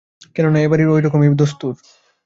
কেননা এ বাড়ির ঐরকমই দস্তুর।